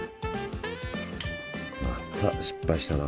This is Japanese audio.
また失敗したな。